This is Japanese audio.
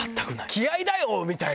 気合いだよみたいな。